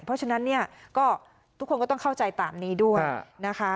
เพราะฉะนั้นเนี่ยก็ทุกคนก็ต้องเข้าใจตามนี้ด้วยนะคะ